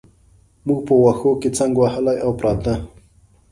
موږ په وښو کې څنګ وهلي او پراته.